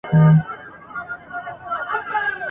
تاسو به له هغه څخه غافل ياست.